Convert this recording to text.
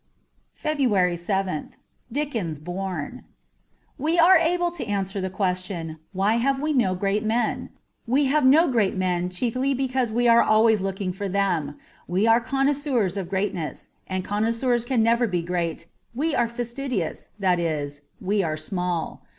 41 \ FEBRUARY 7th DICKENS BORN WE are able to answer the question, ' Why have we no great men ?' We have no great men chiefly because we are always looking for them. We are connoisseurs of greatness, and connoisseurs can never be great ; we are fastidious — that is, we are small.